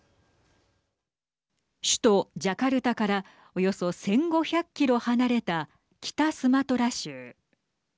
首都ジャカルタからおよそ１５００キロ離れた北スマトラ州。